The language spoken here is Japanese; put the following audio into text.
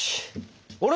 あれ？